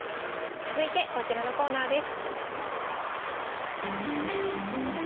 続いてこちらのコーナーです。